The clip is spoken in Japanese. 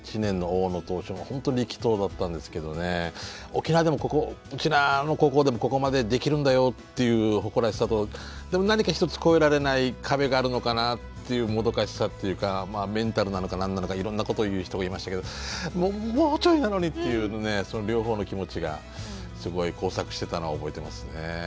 沖縄でもここうちなーの高校でもここまでできるんだよっていう誇らしさとでも何か一つ越えられない壁があるのかなっていうもどかしさっていうかメンタルなのか何なのかいろんなことを言う人がいましたけどもうちょいなのにっていうその両方の気持ちがすごい交錯してたのは覚えてますね。